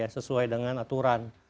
sesuai dengan aturan